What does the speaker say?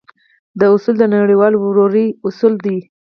دا اصول د نړيوالې ورورۍ اصول دی.